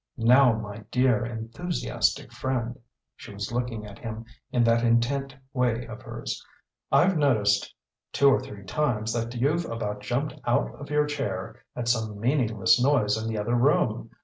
Now, my dear enthusiastic friend," she was looking at him in that intent way of hers "I've noticed two or three times that you've about jumped out of your chair at some meaningless noise in the other room.